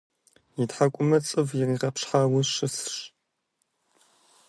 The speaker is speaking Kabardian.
И тхьэкӀумэ цӀыв иригъэпщхьауэ щысщ.